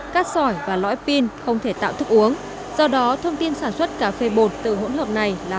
cát sỏi và lõi pin không thể tạo thức uống do đó thông tin sản xuất cà phê bột từ hỗn hợp này là